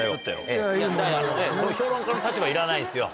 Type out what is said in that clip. その評論家の立場いらないんですよ。